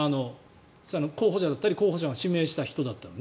候補者だったり候補者が指名した人だったら。